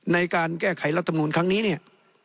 ในการแก้ไขลักษณ์ตำนูนครั้งนี้เนี่ย